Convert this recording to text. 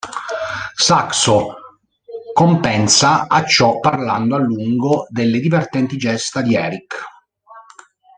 Saxo compensa a ciò parlando a lungo delle divertenti gesta di Erik.